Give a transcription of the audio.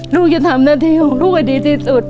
ลูกจะทำหน้าที่ของลูกให้ดีที่สุด